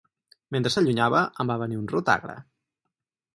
Mentre s'allunyava em va venir un rot agre.